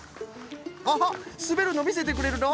アハすべるのみせてくれるの？